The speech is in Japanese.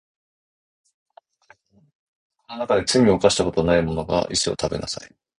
この中で罪を犯したことのないものが石を食べなさい